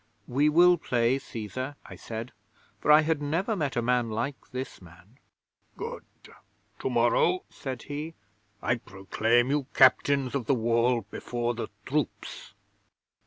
'"We will play, Cæsar," I said, for I had never met a man like this man. '"Good. Tomorrow," said he, "I proclaim you Captains of the Wall before the troops."